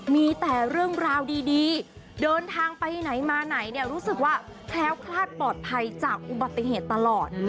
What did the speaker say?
มีแต่เรื่องราวดีเดินทางไปไหนมาไหนเนี่ยรู้สึกว่าแคล้วคลาดปลอดภัยจากอุบัติเหตุตลอด